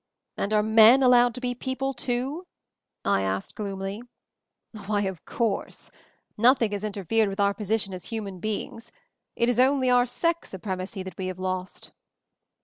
"And are men allowed to be people, too?" I asked gloomily. "Why, of course ! Nothing has interfered with our position as human beings ; it is only our sex supremacy that we have lost."